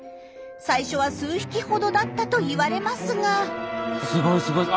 最初は数匹ほどだったといわれますが。